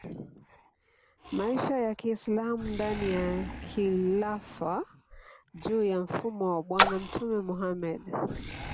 maisha ya Kiislamu ndani ya Khilafah juu ya mfumo wa bwana Mtume Muhammad